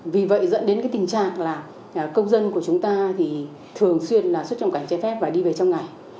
vì vậy dẫn đến cái tình trạng là công dân của chúng ta thì thường xuyên là xuất nhập cảnh trái phép và đi về trong ngày